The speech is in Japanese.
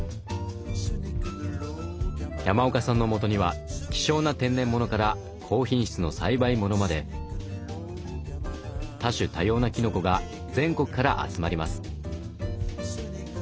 山岡さんのもとには希少な天然ものから高品質の栽培ものまで多種多様なきのこが全国から集まります。